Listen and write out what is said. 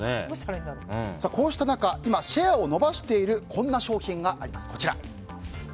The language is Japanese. こうした中今、シェアを伸ばしているこんな商品があります。